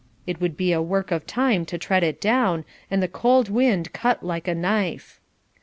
It would be a work of time to tread it down, and the cold wind cut like a knife.